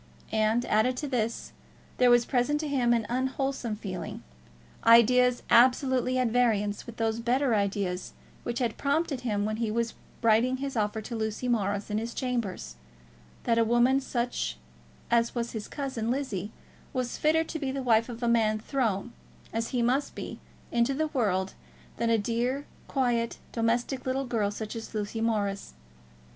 And, added to this, there was present to him an unwholesome feeling, ideas absolutely at variance with those better ideas which had prompted him when he was writing his offer to Lucy Morris in his chambers, that a woman such as was his cousin Lizzie was fitter to be the wife of a man thrown, as he must be, into the world, than a dear, quiet, domestic little girl such as Lucy Morris.